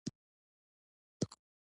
وخت د چا انتظار نه کوي.